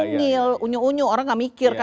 unyil unyu unyu orang nggak mikir kan